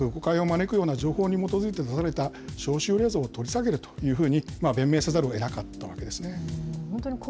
不正確、誤解を招くような情報に基づいて出された招集令状を取り下げるというふうに弁明せざるをえなかったわけですね。